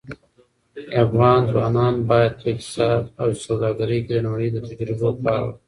افغان ځوانان باید په اقتصاد او سوداګرۍ کې د نړۍ له تجربو کار واخلي.